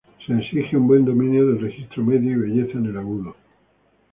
Se exige un buen dominio del registro medio y belleza en el agudo.